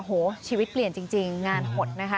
โอ้โหชีวิตเปลี่ยนจริงงานหดนะคะ